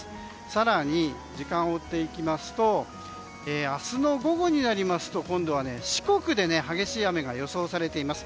更に、時間を追っていきますと明日の午後になりますと今度は四国で激しい雨が予想されています。